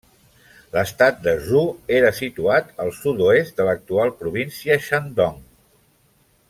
L'estat de Zou era situat al sud-oest de l'actual Província Shandong.